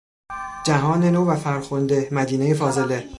جهان نو و فرخنده، مدینهی فاضله